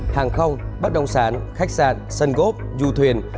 hàng không bất động sản khách sạn sân gốp du thuyền